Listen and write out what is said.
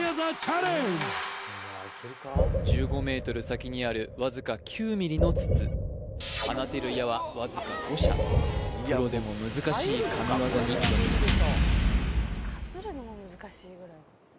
１５ｍ先にあるわずか９ｍｍの筒放てる矢はわずか５射プロでも難しい神業に挑みます